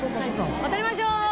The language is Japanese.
渡りましょう！